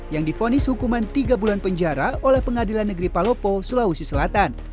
yang difonis hukuman tiga bulan penjara oleh pengadilan negeri palopo sulawesi selatan